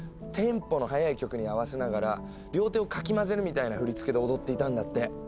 テンポの速い曲に合わせながら両手をかき混ぜるみたいな振り付けで踊っていたんだって。